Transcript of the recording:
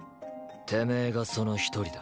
てめえがその一人だ